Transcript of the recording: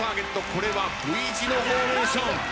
これはＶ字のフォーメーション。